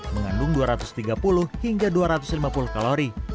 mengandung dua ratus tiga puluh hingga dua ratus lima puluh kalori